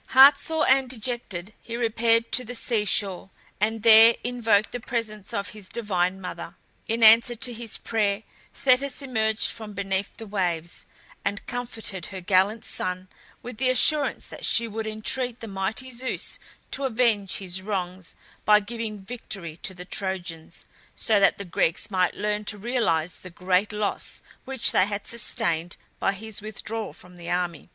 Heart sore and dejected he repaired to the sea shore, and there invoked the presence of his divine mother. In answer to his prayer Thetis emerged from beneath the waves, and comforted her gallant son with the assurance that she would entreat the mighty Zeus to avenge his wrongs by giving victory to the Trojans, so that the Greeks might learn to realize the great loss which they had sustained by his withdrawal from the army.